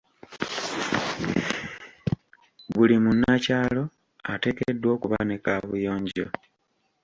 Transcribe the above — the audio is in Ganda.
Buli munnakyalo ateekeddwa okuba ne kaabuyonjo.